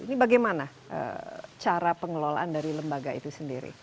ini bagaimana cara pengelolaan dari lembaga itu sendiri